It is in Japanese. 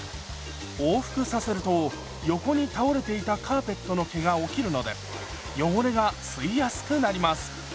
往復させると横に倒れていたカーペットの毛が起きるので汚れが吸いやすくなります。